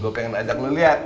gue pengen ajak lo liat